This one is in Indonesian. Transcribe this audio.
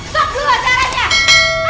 tolong dulu caranya